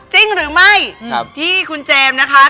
จริงหรือไม่ที่คุณเจมส์นะคะ